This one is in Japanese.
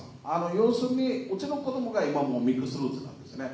要するにうちの子供が今ミックスルーツなんですね。